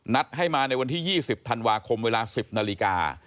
ให้มาในวันที่๒๐ธันวาคมเวลา๑๐นาฬิกา